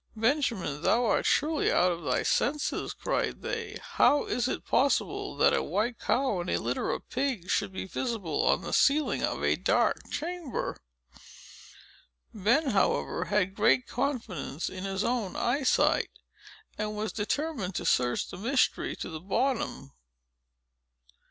"Benjamin, thou art surely out of thy senses!" cried they. "How is it possible that a white cow and a litter of pigs should be visible on the ceiling of a dark chamber?" Ben, however, had great confidence in his own eyesight, and was determined to search the mystery to the bottom.